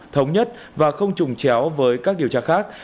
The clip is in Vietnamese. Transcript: thống nhất và không trùng chéo với các điều tra khác